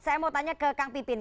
saya mau tanya ke kang pipin